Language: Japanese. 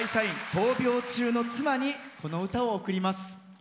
闘病中の妻に、この歌を贈ります。